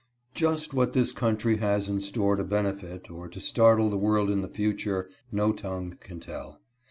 JUST what this country has in store to benefit or to startle the world in the future, no tongue can tell.